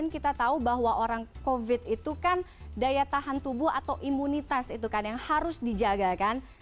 kita tahu bahwa orang covid itu kan daya tahan tubuh atau imunitas itu kan yang harus dijaga kan